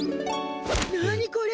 何これ！